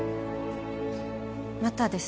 またです。